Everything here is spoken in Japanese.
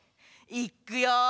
いっくよ！